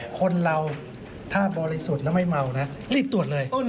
คนเราถ้าบริสุทธิ์แล้วไม่เมานะรีบตรวจเลย